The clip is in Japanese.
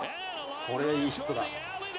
これ、いいヒットだ。